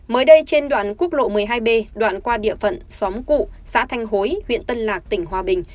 mới đây trên đoạn quốc lộ một mươi hai b đoạn qua địa phận xóm cụ xã thanh hối huyện tân lạc tỉnh hòa bình